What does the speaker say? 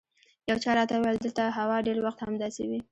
یو چا راته وویل دلته هوا ډېر وخت همداسې وي.